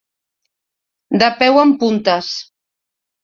De peu en puntes.